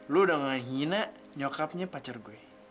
lu udah gak ngine nyokapnya pacar gue